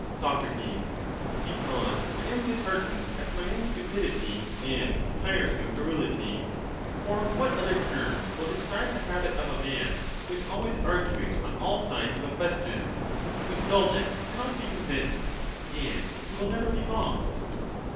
Soc, Because I am disheartened at my own stupidity and tiresome garrulity; for what other term will describe the habit of a man who is always arguing on all sides of a question; whose dulness cannot be convinced, and who will never leave off?